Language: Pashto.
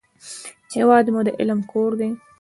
هېواد مو د علم کور دی